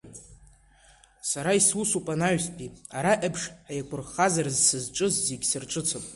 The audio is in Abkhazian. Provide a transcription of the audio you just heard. Сара исусуп анаҩстәи, араҟеиԥш, хеиқәырхаразар сызҿыз зегь сырҿыцп.